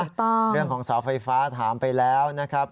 ถูกต้องเรื่องของสวรรค์ไฟฟ้าถามไปแล้วนะครับ